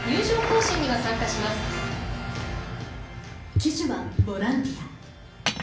旗手はボランティア